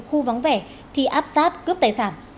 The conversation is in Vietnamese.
khu vắng vẻ thì áp sát cướp tài sản